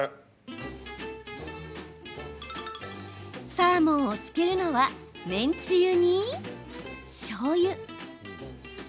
サーモンを漬けるのは麺つゆに、しょうゆ。